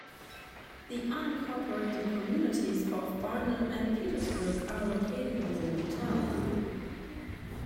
The unincorporated communities of Barnum and Petersburg are located within the town.